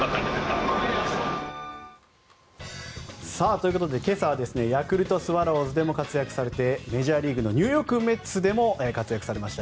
ということで今朝はヤクルトスワローズでも活躍されてメジャーリーグのニューヨーク・メッツでも活躍されました